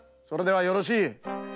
それではよろしい。